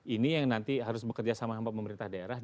ini yang nanti harus bekerja sama sama pemerintah daerah